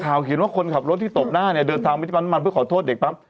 เขาเขียนว่าคนขับรถที่ตบหน้าเนี่ยเดินทางไม่ใช่มันเพื่อขอโทษเด็กปั๊บ